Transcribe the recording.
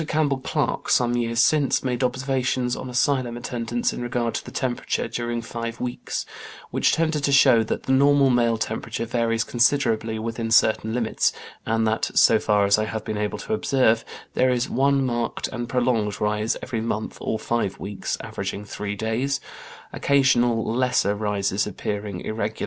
Campbell Clark, some years since, made observations on asylum attendants in regard to the temperature, during five weeks, which tended to show that the normal male temperature varies considerably within certain limits, and that "so far as I have been able to observe, there is one marked and prolonged rise every month or five weeks, averaging three days, occasional lesser rises appearing irregularly and of shorter duration.